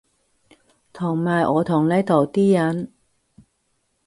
同埋我同呢度啲人